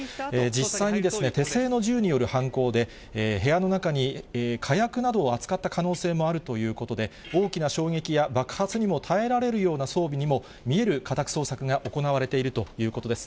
実際に手製の銃による犯行で、部屋の中に火薬などを扱った可能性もあるということで、大きな衝撃や爆発にも耐えられるような装備にも見える家宅捜索が行われているということです。